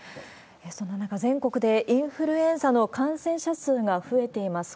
そんな中、全国でインフルエンザの感染者数が増えています。